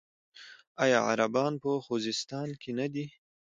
آیا عربان په خوزستان کې نه دي؟